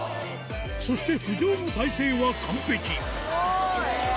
そして浮上の体勢は完璧スゴい！